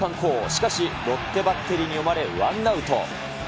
しかしロッテバッテリーに読まれ、ワンアウト。